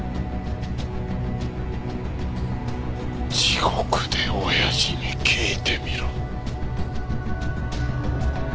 地獄で親父に聞いてみろ。